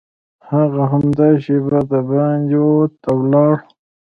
هغه همدا شېبه دباندې ووت او لاړ